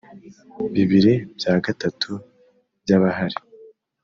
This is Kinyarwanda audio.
bibiri bya gatatu by abahari